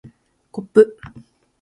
こっぷ